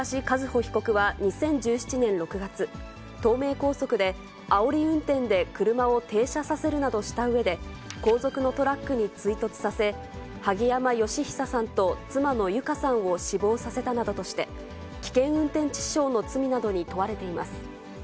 和歩被告は２０１７年６月、東名高速であおり運転で車を停車させるなどしたうえで、後続のトラックに追突させ、萩山嘉久さんと妻の友香さんを死亡させたなどとして、危険運転致死傷の罪などに問われています。